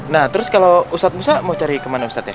nah terus kalau ustadz musa mau cari kemana ustadznya